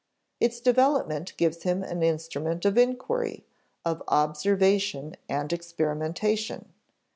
Its development gives him an instrument of inquiry, of observation and experimentation.